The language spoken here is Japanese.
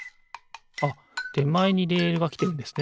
あってまえにレールがきてるんですね。